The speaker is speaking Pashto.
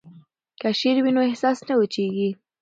که شعر وي نو احساس نه وچیږي.